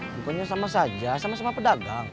pokoknya sama saja sama sama pedagang